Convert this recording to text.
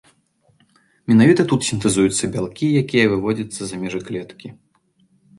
Менавіта тут сінтэзуюцца бялкі, якія выводзяцца за межы клеткі.